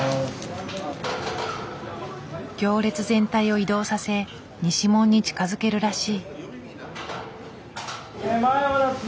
行列全体を移動させ西門に近づけるらしい。